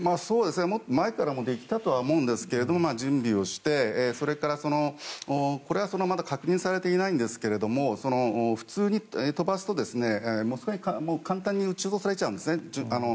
前からもできたとは思うんですけど準備をして、それからこれはまだ確認されていませんが普通に飛ばすと、簡単に撃ち落とされちゃうんですね。